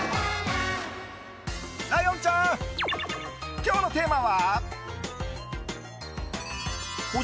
今日のテーマは？